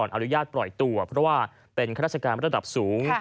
อนุญาตปล่อยตัวเพราะว่าเป็นข้าราชการระดับสูง